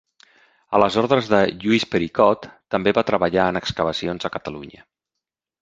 A les ordres de Lluís Pericot, també va treballar en excavacions a Catalunya.